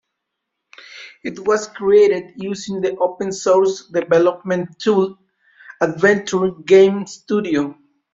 It was created using the open source development tool, Adventure Game Studio.